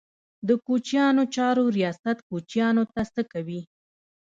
د کوچیانو چارو ریاست کوچیانو ته څه کوي؟